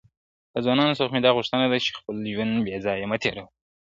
له ځوانانو څخه مي دا غوښتنه ده چي خپل ژوند بېځايه مه تېروئ ,